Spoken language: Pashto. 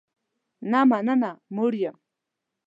نه مننه، موړ یم